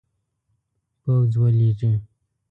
پوځ ولیږي.